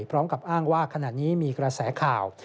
พร้อมกับอ้างว่าขณะนี้มีกระแสข่าว